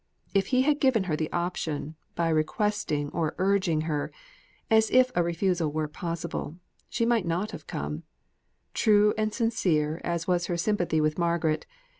If he had given her the option, by requesting or urging her, as if a refusal were possible, she might not have come true and sincere as was her sympathy with Margaret.